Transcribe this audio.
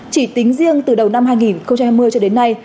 chỉ tính riêng từ đầu năm hai nghìn hai mươi cho đến nay